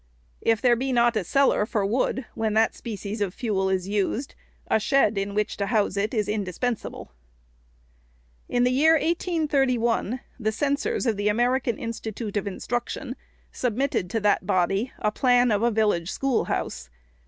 If there be not a cellar for wood when that species 488 REPORT OF THE SECRETARY of fuel is used, a shed in which to house it is indispen sable. In the year 1831, the censors of the American Institute of Instruction submitted to that body a " Plan of a Vil lage Schoolhouse."